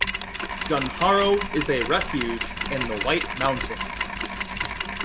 Dunharrow is a refuge in the White Mountains.